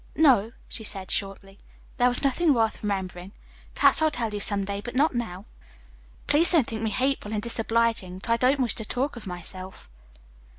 "No," she said shortly. "There was nothing worth remembering. Perhaps I'll tell you some day, but not now. Please don't think me hateful and disobliging, but I don't wish to talk of myself."